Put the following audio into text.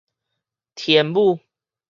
天母